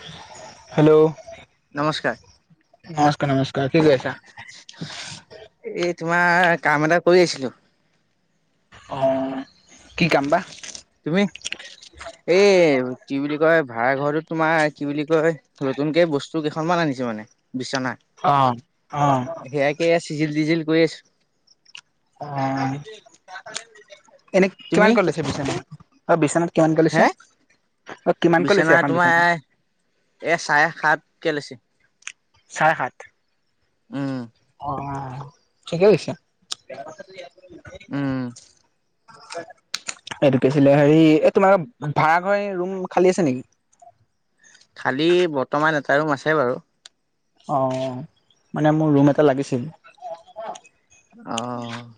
[inaudible] Hello নমস্কাৰ নমস্কাৰ কি কৰি আছা এই তোমাৰ কাম এটা কৰি আছিলো অ', কি কাম বা তুমি এই কি বুলি কয় ভাড়া ঘৰটোত তোমাৰ কি বুলি কয় নতুনকে বস্তু কেইখনমান আনিছো মানে বিচনা অ', অ' এই আ চিজিল টিজিল কৰি আছো। অ', এনে তুমি কিমান কে লৈছে বিচনা অ', বিচনাত কিমানকৈ লৈছে হে অ কিমানকৈ লৈছে বিচনা এখন তোমাৰ বিচনাত এ চাৰে সাত কে লৈছে। চাৰে সাত। উম। অহ ঠিকে লৈছে উম এইটো কি আছিলে হেৰি এই তোমাৰ ভাড়া ঘৰ ৰুম খালী আছে নেকি খালি বৰ্তমান এটা ৰুম আছে বাৰু অ', মানে মোৰ ৰুম এটা লাগিছিল অ',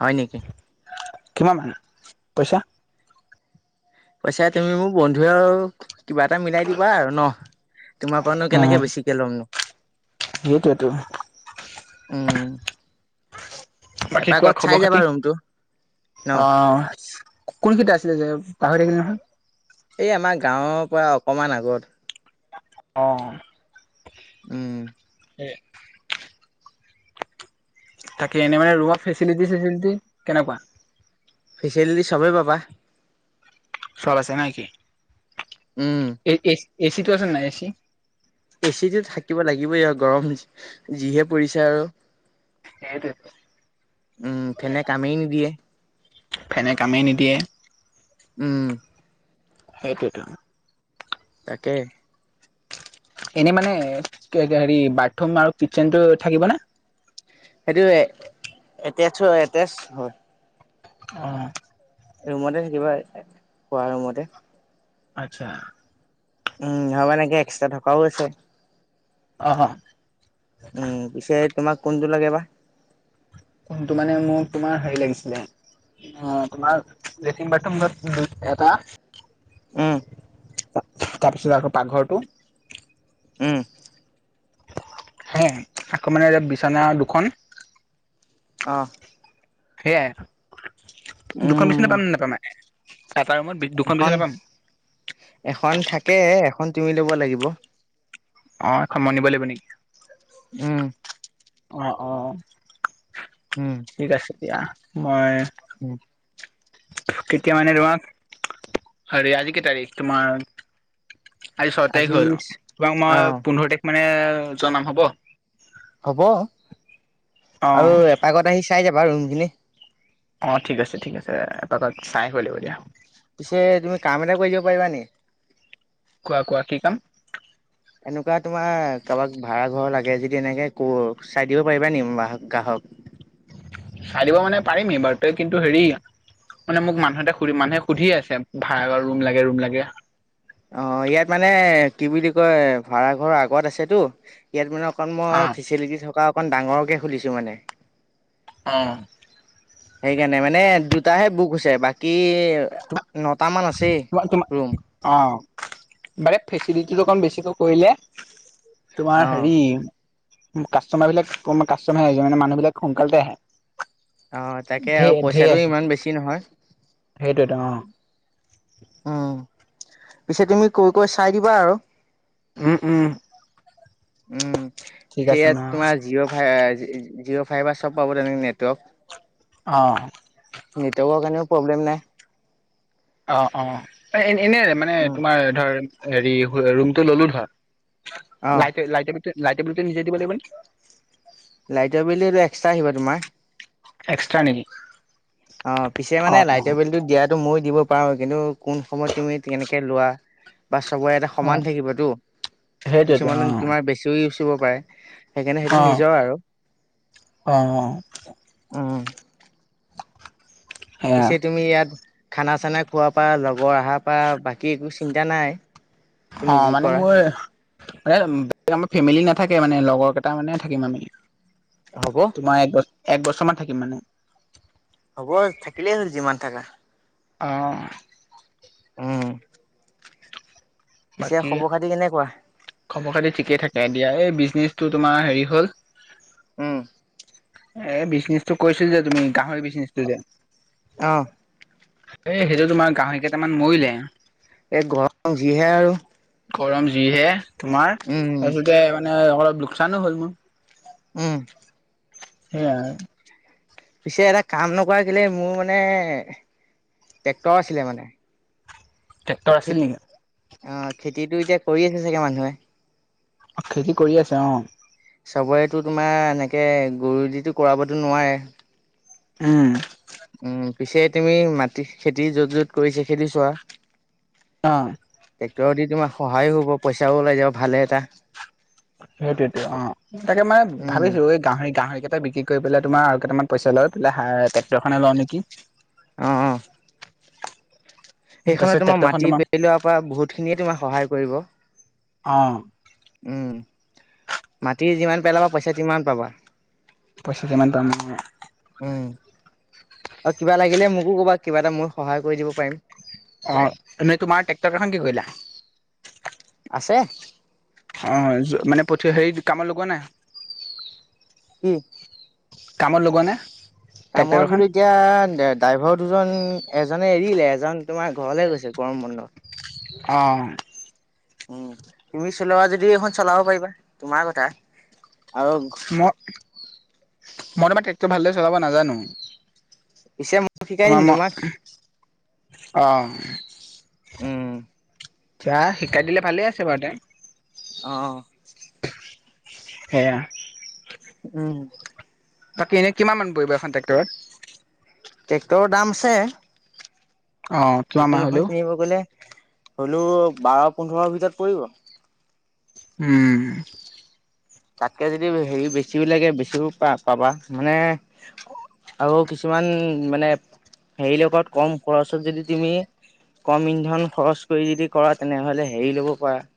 হয় নেকি? কিমান ভাড়া পইচা পইচা তুমি মোৰ বন্ধুৱে আৰু কিবা এটা মিলাই দিবা আৰু ন তোমাৰ পৰানো অ কেনেকৈ বেছিকে ল'মনো সেইটোৱেতো উম বাকী কোৱা এপাকত খবৰ চাই খাতি যাবা ৰুমটো ন। কোন কেইটা আছিলে জেৰক্স পাহৰি থাকিলো নহয় এই আমাৰ গাঁৱৰ পৰা অকণমান আগত অ', উম [inaudible] থাকে এনে মানে ৰ ফেচেলেটি চেচেলেটি কেনেকুৱা ফেচেলিটি চবেই পাবা চব আছে নেকি উম, এ এচিটো আছে নাই এচি। এচিটো থাকিব লাগিবই আৰু গৰম যিহে পৰিছে আৰু। সেইটোৱে। উম ফেনে কামেই নিদিয়ে। ফেনে কামেই নিদিয়ে। উম। সেইটোৱেতো। তাকে। এনেই মানে হেৰি বাথৰুম আৰু কিটচেনতটো থাকিব নে? সেটো এটেচ হয় এটেচ হয়। অ'। ৰুমতে থাকিবা খোৱা ৰুমতে। আচ্ছা। উম ধৰ মানে এনেকে এক্সট্ৰা থকাও আছে। অহ'। উম পিছে তোমাক কোনটোোৰ লাগে বা? কোনটো মানে মোক তোমাৰ হেৰি লাগিছিলে অ' তোমাৰ লেট্ৰিন বথৰুম ঘ এটা উম। তাৰপিছত আকৌ পাকঘৰটো উম। হে' আকৌ মানে এতিয়া বিছনা দুখন অ'। সেয়াই, দুখন বিছনা উম পামনে নেপামা এটা ৰুমত দুখন এখন বিছনা পাম? এখন থাকে এখন তুমি ল'ব লাগিব। অঁ এখন মই নিব লাগিব নেকি? উম। অ', অ'। উম। ঠিক আছে দিয়া। মই উম। কেতিয়া মানে তোমক? হেৰি আজি কি তাৰিখ? তোমাৰ আজি ছয় তাৰিখ হ'ল তোমাক অ মই পোন্ধৰ তাৰিখ মানে জনাম হ'ব। হ'ব অ আৰু এপকত আহি চাই যাবা ৰুমখিনি? অ' ঠিক আছে ঠিক আছে, এপাকত চাই আহিব লাগিব দিয়া। পিছে তুমি কাম এটা কৰি দ পাৰিবা নিকি? কোৱা কোৱা কি কাম? এনেকুৱা তোমাৰ কাৰোবাক ভাড়া ঘৰ লাগে যদি এনেকে ক চাই দিব পাৰিবা নেকি গ্ৰাহক? চাই দিব মানে পাৰিমেই বাৰু, তই কিন্তু হেৰি মানে মোক মানুহ এটাই সুধি মানুহে সুধি আছে ভাড়াৰ ৰুম লাগে ৰুম লাগে। অ' ইয়াত মানে কি বুলি কয় ভাড়াঘৰৰ আগত আছেতো ইয়াত মানে অকণ অ মই ফেচিলিটি থকা অকণ ডাঙৰকৈ খুলিছোঁ মানে। অ'। সেইকাৰণে মানে দুটাহে বুক হৈছে, বাকী নটা মান আছেই তোমাৰ ৰুম। অ' বাৰে ফেচিলিটিটো অকমান বেছিকৈ কৰিলে অ তোমাৰ হেৰি কাষ্টমাৰ বিলাক কাষ্টমাৰ মানে মানুহবিলাক সোনকালতে আহে। অ' তাকে আৰু ধেৰ ধেৰ পইচাটো আহে ইমান বেছি নহয়। সেইটোৱেতো অ'। উম, পিছে তুমি কৈ কৈ চাই দিবা আৰু। উম, উম। উম, ঠিক আছে ন ইয়াত তোমাৰ জিঅ' জিৰঅ' ফাইভাৰ চব পাব তেনেকৈ নেটৱৰ্ক। অ'। নেটৱৰ্কৰ কাৰণেও প্ৰব্লেম নাই। অ', অ', এ এনে মানে উম, তোমাৰ ধৰ হেৰি ৰুমটো ললোঁ ধৰ অ'। লাইট লাইটে লাইটৰ বিলটো নিজে দিব লাগিব নে? লাইটৰ বিল এইটো এক্সট্ৰা আহিব তোমাৰ। এক্সট্ৰা নেকি? অ', পিছে মানে অ', অ', লাইটৰ বিলত দিয়াতো ময়ো দিব পাৰো কিন্তু কোন সময়ত তুমি কেনেকে লোৱা। বা চবৰে এটা অ', সমান থাকিবতো সেইটোৱেতো কিছুমান অ', তোমাৰ বেছিও ইউজ কৰিব পাৰে। সেইকাৰণে সেইটো অ', নিজৰ আৰু অ'। উম। সেয়া পিছে তুমি ইয়াত খানা চানা খোৱাৰ পা লগৰ অহাৰ প বাকী একো চিন্তা নাই। তুমি যি অ', মানে কৰা মোৰ এ আমাৰ ফেমিলি নাথাকে মানে লগৰ কেইটা মানে থাকিম আমি। হ'ব। তোমাৰ এক বছ একবছৰমান থাকিম মানে। হ'ব থাকিলেই হ'ল যিমান থকা। অঁ'। উম। পিছে বাকী খবৰ খাতি কেনেকুৱা? খবৰ খাতি ঠিকে থাকে এ দিয়া এই বিজনেচটো তোমাৰ হেৰি হ'ল। উম। এই বিজনেচটো কৈছিল যে তুমি গাহৰি বিজনেচটো যে অ'। এই সেইটো তোমাৰ গাহৰি কেইটামান মৰিলে। এ [unintelligible] যিহে আৰু। গৰম যিহে তোমাৰ উম। তাৰপিছতে মানে অলপ লোকচানো হ'ল মোৰ। উম। সেয়াই। পিছে এটা কাম নকৰাক কেলে মোৰ মানে ট্ৰেক্টৰ আছিলে মানে।। ট্ৰেক্টৰ খেতি আছিলি নেকি? অ', খেতিটো এতিয়া কৰি আছে চাগে মানুহে? অ', খেতি কৰি আছে অ'। চবৰেতো তোমাৰ এনেকে গৰু দিতো কৰাবতো নোৱাৰে। উম। উম, পিছে তুমি মাটি খেতি য'ত য'ত কৰিছা খেতি চোৱা। অ'। টেক্টৰত দি তোমাৰ সহায়ো হ'ব পইচাও ওলাই যাব ভালে এটা। সেইটোয়েতো অ', তাকে মানে উম, ভাবিছো এই গাহৰি গাহৰিকেইটা বিক্ৰী কৰিেলাই তোমাৰ আৰু কেইামান পইচা লয় পাই টেক্টৰখনে লওঁ নেকি। অঁ', অঁ'। সেইখনে তাৰপিছত তোমাৰ ট্ৰেক্টৰখন মাটি পেলোৱাৰ পৰা বহুত খিনিয়ে তোমাৰ সহায় কৰিব। অঁ'। উম, মাটি যিমান পেলাবা পইচা কিমান পাবা। পইচা যিমান পাম অ'। উম, আৰু কিবা লাগিলে মোকো ক'বা কিবা এটা মই সহায় কৰি দিব পাৰিম। অ', এনেই তোমাৰ ট্ৰেক্টৰ কেইখন কি কৰিলা? আছে। অঁ', মানে পঠ হেৰি কামত লগোৱা নাই? [unintelligible] কামত লগোৱা নাই? কামত বোলো এতিয়া ড্ৰাইভাৰ দুজন এজনে এৰিলে এজন তোমাৰ ঘৰলে গৈছে, গৰম বন্ধ অ', উম, তুমি চলোৱা যদি, এইখন চলাব পাৰিবা তোমাৰ কথা আৰু মই, মই, তোমাৰ ট্ৰেক্টৰ ভালদ চলাব নাজানো পিছে মই শিকাই দিম তোমাক অ', উম শিকাই দিলে ভালেই আছে বাৰু তে অ', সেয়া উম, বাকী, এনে কিমানান পৰিবখন ট্ৰে্টৰত ট্ৰেক্টৰৰ দাম আছে। অ', কিমান নতুন মান এখন হ'লেও কিনিব গলে হলেও বাৰ পোন্ধৰৰ ভিতৰত পৰিব। উম, তাতকে, যদি হেৰি বেছিও লাগে বেছিও পা পাবা মানে আৰু কিছুমান মানে, হেৰি লগত কম খৰচত যদি তুমি কম, ইন্ধন খৰচ কৰি যদি কৰা তেনেহলে হেৰি লব পাৰা এ,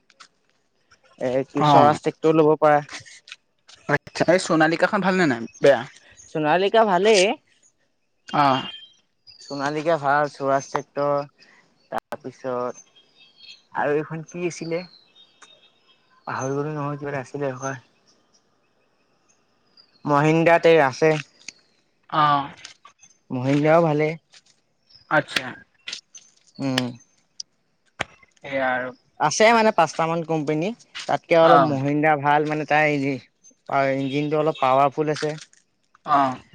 কি অ', চৰাজ ট্ৰেক্টৰ ল'ব পাৰে এই সোণালীকাখন ভালনে নাই, বেয়া সোণালিকা ভালেই অ', সোণালিকা ভাল, চোৰাজ ট্ৰেক্টৰ তাৰপিছত আৰু এইখন কি আছিলে, পাহৰি গলো নহয় কিবাটা আছিলে হয়। মহিন্দ্ৰাতে আছে। অ', মহিন্দ্ৰাও ভালে আচ্ছা উম, সেয়া আৰু আছে মানে, পাঁচটা মান কোম্পানী, তাতকে অলপ অ', মহিন্দ্ৰা ভাল। মানে তাৰ এই যি আৰু ইঞ্জিন টো অলপ পাৱাৰফুল আছে। অ',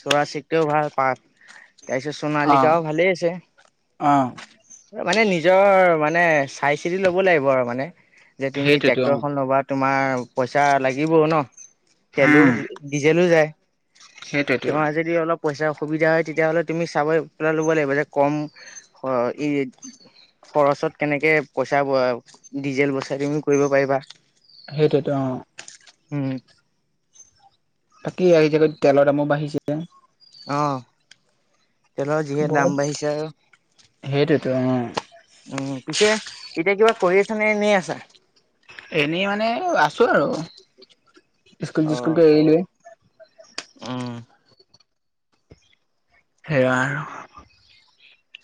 চৰাজ চিত্ৰাও ভাল, পাত তাৰপিছত অ', সোনালিকাও ভালেই আছে অ', মানে, নিজৰ মানে চাই চিতি ল'ব লাগিব আৰু মানে, যে তুমি সেইটোৱেতো ট্ৰেক্টৰ অ', খন ল'বা তোমাৰ, পইচা লাগিব ন তেলো উম, ডিজেলো যায়, সেইটোৱেতো তোমাৰ যদি অলপ পইচাৰ সুবিধা হয়, তেতিয়াহ'লে তুমি চাব পেলাই ল'ব লাগিব, যে কম খৰচত কেনেকে পইচা ব ডিজেল বচাই দি কৰিব পাৰিবা সেইটোয়েতো অ', উম, বাকী, এই যে তেলৰ দামো বাঢ়িছে। অ', তেলৰ যিহে দাম বহুত বাঢ়িছে আৰু সেইটোৱেতো অ', উম, পিছে এতিয়া কিবা কৰি আছ নে এনেই আছা? এনেই মানে, আছো আৰু স্কুল অ চিচকুলটো এৰিলোৱেই উম, সেয়া আৰু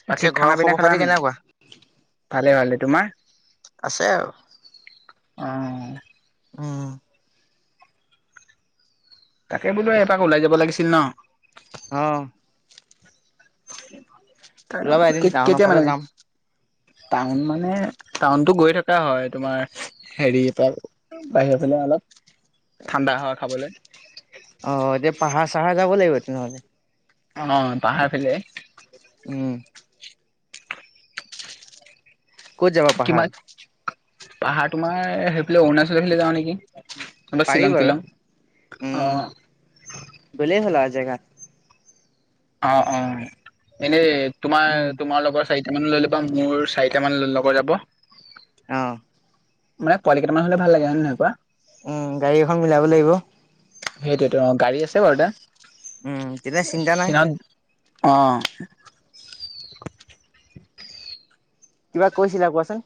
বাকী পিছে ঘৰৰ খানা পিনা খবৰ খালা খাতি নাই, কেনেকুৱা ভালে ভাল তোমাৰ আছে আৰু অ', উম, তাকে বোলো এপাক ওলাই যাব লাগিছিল ন অ তা ওলাবা এদিন টাউনৰ কেতিয়া মান ফালে যাম টাউন মানে টাউনটো গৈ থকা হয় তোমাৰ হেৰি ত বাহিৰৰ ফালে অলপ ঠাণ্ডা হাৱা খাবলৈ অ এতিয়া পাহাৰ চাহাৰ যাব লাগিব তেনেহ'লে অ পাহাৰ ফালে উম ক'ত যাবা পাহাৰ কিমান পাহাৰ তোমাৰ সেই ফালে তোমাৰ অৰুণাচল ফালে যাওঁ নেকি বোলো পাৰি শ্বিলং তিলং অ গলে হ'ল আৰু জেগাত অ অ এনেই তোমাৰ উম তোমাৰ লগত চাৰিটা মান লৈ ল'বা, মোৰ চাৰিটা মান লগত যাব। অ' মানে পোৱালি কেইটামান হলে ভাল লাগে হয় নহয় কোৱা। উম' গাড়ী এখন মিলাব লাগিব। সেইটোয়েতো অ' গাড়ী আছে বাৰু দা উম তেতিয়া চিন্তা নাই অ' কিবা কৈছিলা কোৱাচোন?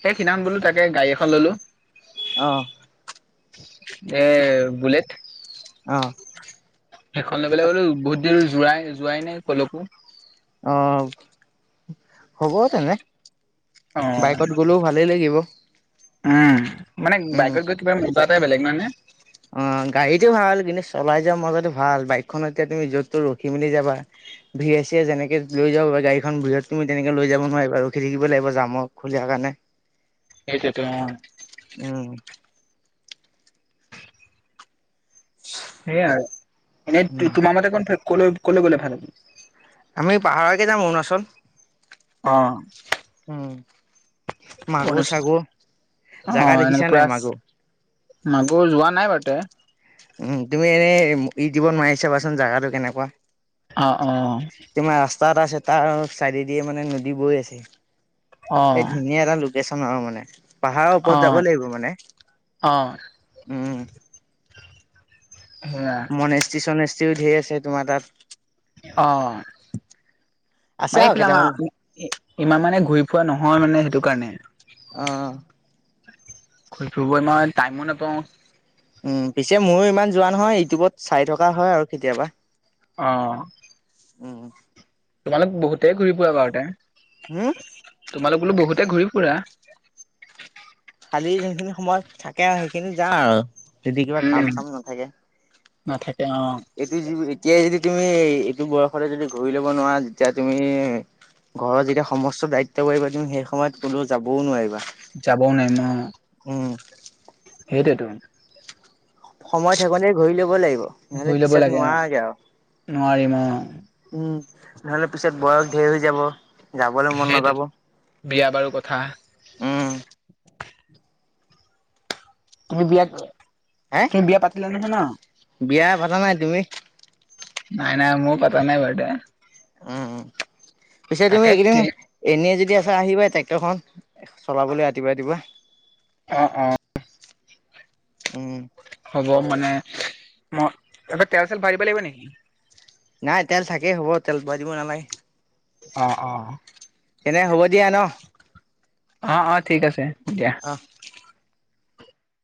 সেই সিদিনাখন গ'লো তাকে গাড়ী এখন ললো। অ' এ' বুলেইত। অ' সেইখন লৈ পেলাই গ'লো বহুত দিন যোৱাই-যোৱাই নাই কতো। অ হ'ব তেনে অ বাইকত গ'লেও ভালেই লাগিব। উম' মানে উম বাইকত গৈ কিবা মজা এটাই বেলেগ নহয় নে।? অ' গাড়ীটো ভাল কিন্তু চলাই যোৱা মজাটো ভাল বাইকখনত এতিয়া তুমি য'ত তো ৰখি মেলি যাবা। ভিৰে চিৰে এ যেনেকে লৈ যাব পাৰে, গাড়ীখন ভিৰৰত তুমি তেনেকে লৈ যাব নোৱাৰিবা ৰখি থাকিব লাগিব জামৰ খুলাৰ কাৰণে। [unintelligible] সেইটোেতো অ'। উম' সেয়াই এনেই উম। তোমাৰ মতে ক কলে কলে গ'লে ভাল হব? আমি পাহাৰকে যাম অৰুণাচল। অ' উম অৰুণাচল মাকোঁৰ-চাকোঁৰ জাগা দেখিছা নাই মাকোঁৰ? মাকো যোৱা নাই বাৰু। উ' তুমি এনেই ইউটিউবত নোৱাৰি চাবাচোন জোগাটো কেনেকুৱা। অ', অ', অ'। তোমাৰ ৰাস্তা এটা আছে তাৰ চাইডে দিয়ে মানে নদী বৈ আছে। অ এই ধুনীয়া এটা ল চন আৰু মানে পাহাৰৰ অ ওপৰত যাব লাগিব মানে উম'। সেয়। মনেসি-চনেষ্টিও ঢেৰ আছে তোমাৰ তাত। অ' আছে মায় আৰু পিলামা কেইটামান [unintelligible] ইমান মানে ঘূৰি ফুৰা নহয় মানে সেইটো কাৰণে। অ' ঘুৰি ফুৰিবই মই টাইমো নাপাওঁ। উম' পিছে ময়ো ইমান যোৱা নহয় ইউটিউবত চাই থকা হয় আৰু কেতিয়াবা। অ' উ' তোমালোক বহুতেই ঘূৰি-ফুৰা বাৰুতে, উম, তোমালোক বোলো বহুতে ঘূৰি ফুৰা। কালি যোনখিনি সময় থাকে আৰু সেইখিনি যাওঁ আৰু যদি কিবা উম কাম-চাম নাথাকে। নাথাকে অ'। এইটো এতিয়া যদি তুমি এইটো বয়সতে যদি ঘূৰি লব নোৱাৰা যেতিয়া তুমি ঘৰত যেতিয়া সমস্ত দায়িত্ব বাঢ়িবা তুমি সেই সময়ত কোননেও যাবও নোৱাৰিবা। যাবও নাই ম। উম। সেইটোৱেতো। সময় থাকোতে ঘূৰি ল'ব লাগিব নহ'লে ঘূৰি ল'ব পিছত লাগে অ নোৱাৰাকে আৰু। নোৱাৰিম অ উম, নহ'লে পিছত বয়স ধেৰ হৈ যাব, যাবলৈ মন সেইটোৱেতো নাযাব। বিয়া বাৰু কথা। উম সেইবিলাক হে, বিয়া পাতা নাই। তুমি? নাই, নাই ময়ো পাতা নাই বাৰু দে। উম, পিছে তুমি তাকে এইকেইদিন এনে যদি আছা আহিবা ট্ৰেক্টৰখন চলাবলৈ ৰাতিপুৱা ৰাতিুৱা। অ', অ'। উম। হ'ব মানে ম, এইবিলাক তেল চেল বঢ়াই লাগিব নেকি? নাই তেল থাকেই হ'ব, তেল বঢ়াই দিব নালাগে। অ', অ'। তেনে হ'ব দিয়া ন অ', অ' ঠিক আছে দিয়া। অ